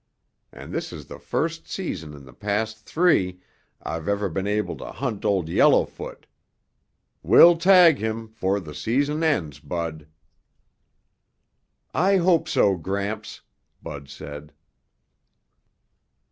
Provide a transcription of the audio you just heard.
And this is the first season in the past three I've ever been able to hunt Old Yellowfoot. We'll tag him 'fore the season ends, Bud." "I hope so, Gramps," Bud said.